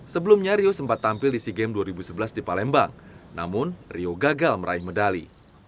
sebelumnya rio sempat tampil di sea games dua ribu sebelas di palembang namun rio gagal meraih medali